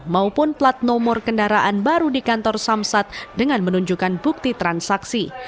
maupun plat nomor kendaraan baru di kantor samsat dengan menunjukkan bukti transaksi